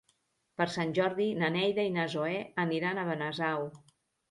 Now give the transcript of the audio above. Per Sant Jordi na Neida i na Zoè aniran a Benasau.